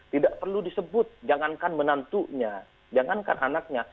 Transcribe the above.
tidak perlu disebut jangankan menantunya jangankan anaknya